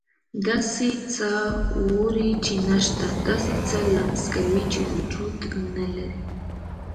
داسې څه اوري چې نه شته، داسې څه لمس کوي چې وجود نه لري.